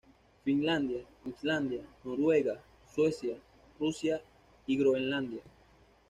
Finlandia, Islandia, Noruega, Suecia, Rusia y Groenlandia.